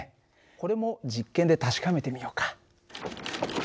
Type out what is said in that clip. これも実験で確かめてみようか。